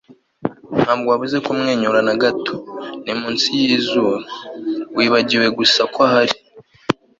ntabwo wabuze kumwenyura na gato, ni munsi yizuru. wibagiwe gusa ko ahari